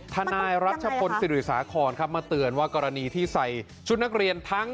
ธนายรัชพนธ์สิริสาคอนมาเตือนว่ากรณีที่ใส่ชุดนักเรียน